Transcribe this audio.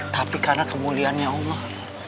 tapi karena kemuliaannya allah